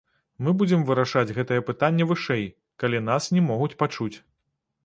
Мы будзем вырашаць гэта пытанне вышэй, калі нас не могуць пачуць.